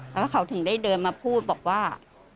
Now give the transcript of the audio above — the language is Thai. แล้วเขาถึงได้เดินมาพูดบอกว่า